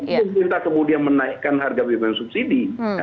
pemerintah kemudian menaikkan harga bbm subsidi